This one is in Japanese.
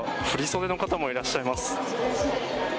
振り袖の方もいらっしゃいます。